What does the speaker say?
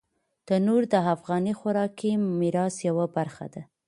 تنور د افغاني خوراکي میراث یوه برخه ده